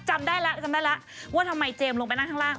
จำได้ละว่าทำไมเจมส์ลงไปนั่งข้างล่าง